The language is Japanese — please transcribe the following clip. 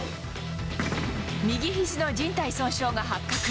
右ひじのじん帯損傷が発覚。